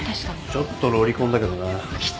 ちょっとロリコンだけどな。